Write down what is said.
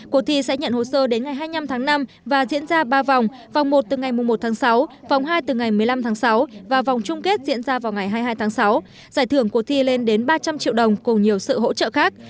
cuộc thi sẽ nhận hồ sơ đến ngày hai mươi năm tháng năm và diễn ra ba vòng vòng một từ ngày một tháng sáu vòng hai từ ngày một mươi năm tháng sáu và vòng chung kết diễn ra vào ngày hai mươi hai tháng sáu giải thưởng cuộc thi lên đến ba trăm linh triệu đồng cùng nhiều sự hỗ trợ khác